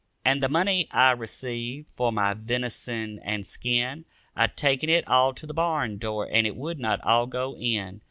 And the money I received for my venison and skin, I taken it all to the barn door and it would not all go in.